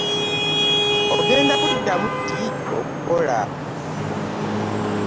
Ogenda kuddamu ddi okukola?